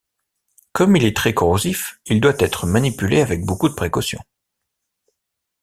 Comme il est très corrosif, il doit être manipulé avec beaucoup de précautions.